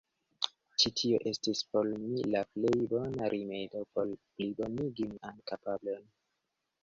Ĉi tio estis por mi la plej bona rimedo por plibonigi mian kapablon.